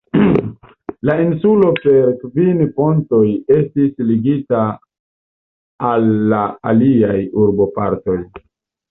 La insulo per kvin pontoj estis ligita al la aliaj urbopartoj.